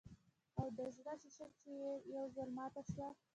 او د زړۀ شيشه چې ئې يو ځل ماته شوه